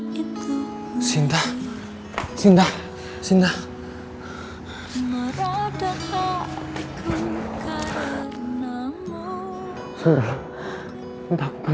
kita akan bersama lagi